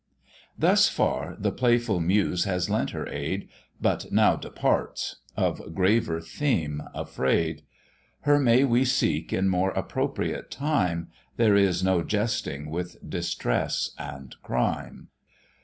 Thus far the playful Muse has lent her aid, But now departs, of graver theme afraid; Her may we seek in more appropriate time, There is no jesting with distress and crime.